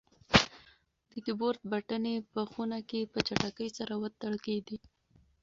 د کیبورډ بټنې په خونه کې په چټکۍ سره وتړکېدې.